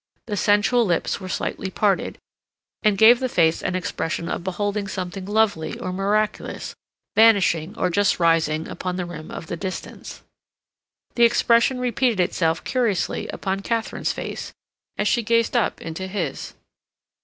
The sensual lips were slightly parted, and gave the face an expression of beholding something lovely or miraculous vanishing or just rising upon the rim of the distance. The expression repeated itself curiously upon Katharine's face as she gazed up into his.